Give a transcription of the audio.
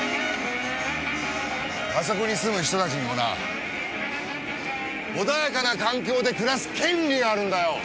あそこに住む人たちにもな穏やかな環境で暮らす権利があるんだよ！